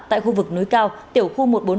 tại khu vực núi cao tiểu khu một trăm bốn mươi hai